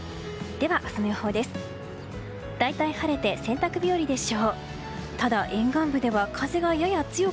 では、明日の予報です。